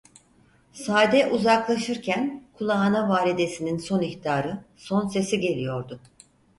Sade uzaklaşırken, kulağına validesinin son ihtarı, son sesi geliyordu: